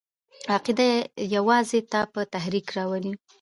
عقیده یوازې تا په تحرک راولي!